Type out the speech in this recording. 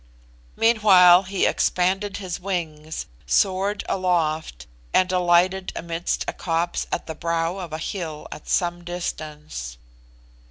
Meanwhile he expanded his wings, soared aloft, and alighted amidst a copse at the brow of a hill at some distance.